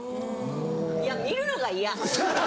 いや見るのが嫌。